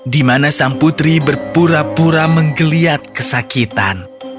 di mana sang putri berpura pura menggeliat kesakitan